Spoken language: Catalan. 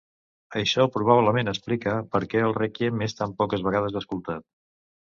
Això probablement explica per què el Rèquiem és tan poques vegades escoltat.